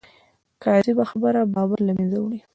کاذبه خبره باور له منځه وړي